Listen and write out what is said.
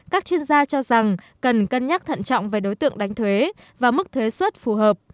các chuyên gia cho rằng cần cân nhắc thận trọng về đối tượng đánh thuế và mức thuế xuất phù hợp